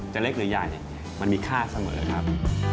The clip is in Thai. เล็กหรือใหญ่มันมีค่าเสมอครับ